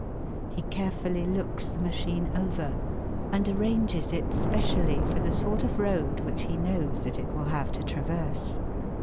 He carefully looks the machine over, and arranges it specially for the sort of road which he knows that it will have to traverse.